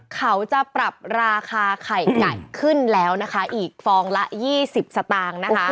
เขาจะปรับราคาไข่ไก่ขึ้นแล้วนะคะอีกฟองละยี่สิบสตางค์นะคะ